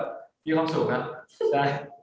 มีความสุขล่ะ